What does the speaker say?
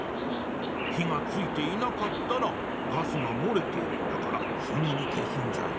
ひがついていなかったらガスがもれているんだからすぐにけすんじゃよ。